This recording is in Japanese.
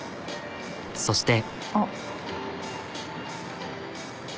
そして。